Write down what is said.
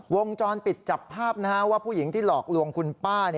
วงจรปิดจับภาพว่าผู้หญิงที่หลอกลวงคุณป้า